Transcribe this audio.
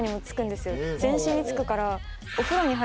全身に付くから。